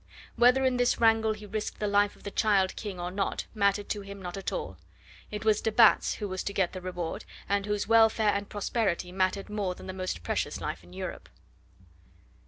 Whether in this wrangle he risked the life of the child King or not mattered to him not at all. It was de Batz who was to get the reward, and whose welfare and prosperity mattered more than the most precious life in Europe.